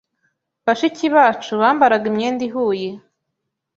Bashiki bacu bambaraga imyenda ihuye.